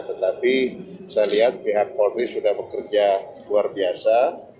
tetapi saya lihat pihak polri sudah bekerja luar biasa